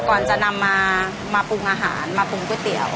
ก่อนจะนำมาปรุงอาหารมาปรุงก๋วยเตี๋ยว